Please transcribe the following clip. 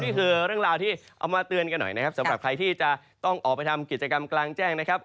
นี่คือเรื่องราวที่เอามาเตือนกันหน่อยนะครับสำหรับใครที่จะต้องออกไปทำกิจกรรมกลางแจ้งนะครับ